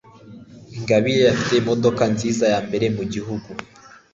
ingabire afite imodoka nziza yambere mugihugu